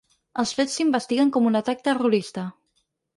Els fets s’investiguen com un atac terrorista.